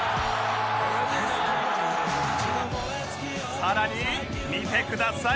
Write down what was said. さらに見てください